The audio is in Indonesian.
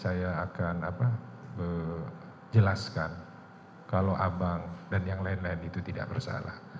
saya akan jelaskan kalau abang dan yang lain lain itu tidak bersalah